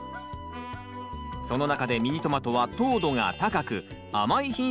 その中でミニトマトは糖度が高く甘い品種が多いのが特徴。